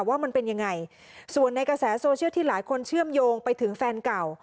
ว่ามันเป็นยังไงส่วนในกระแสโซเชียลที่หลายคนเชื่อมโยงไปถึงแฟนเก่า